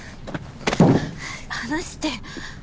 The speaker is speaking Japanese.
離して。